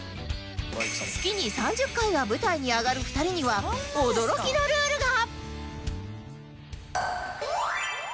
月に３０回は舞台に上がる２人には驚きのルールが！